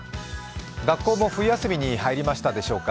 学校も冬休みに入りましたでしょうか。